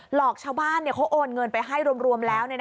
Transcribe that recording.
หลอกชาวบ้านเขาโอนเงินไปให้รวมแล้ว